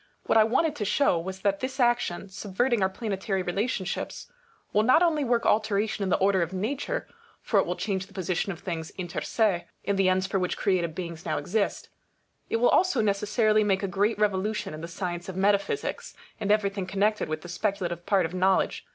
What I wanted to show was, that this action, subverting our planetary relationships, will not only work alteration in the order of nature ; for it will change the position of things inter se, and the ends for which created beings now exist; it will also necessarily make a great revolution in the science of metaphysics, and everything connected with the speculative part of knowledge.